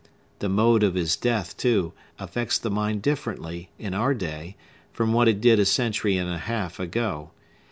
The mode of his death, too, affects the mind differently, in our day, from what it did a century and a half ago.